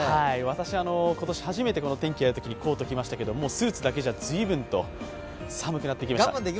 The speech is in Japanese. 私、今年初めて天気をやるときにコート着ましたけどスーツだけじゃ、ずいぶんと寒くなってきました。